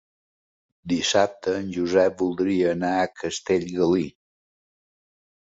Dissabte en Josep voldria anar a Castellgalí.